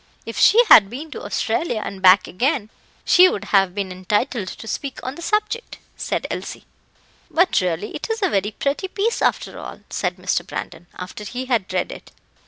"If she had been to Australia and back again, she would have been entitled to speak on the subject," said Elsie. "But really it is a very pretty piece, after all," said Mr. Brandon, after he had read it.